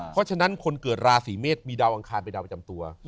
เพราะฉะนั้นคนเกิดราศีเมษมีดาวอังคารเป็นดาวประจำตัว